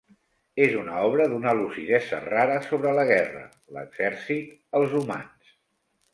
És una obra d'una lucidesa rara sobre la guerra, l'exèrcit, els humans.